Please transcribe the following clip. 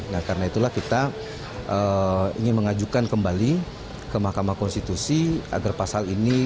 nah karena itulah kita ingin mengajukan kembali ke mahkamah konstitusi agar pasal ini